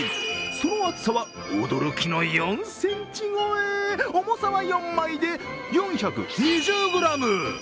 その厚さは驚きの４ｃｍ超え、重さは４枚で４２０ｇ。